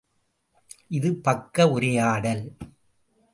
இது பக்க உரையாடல்.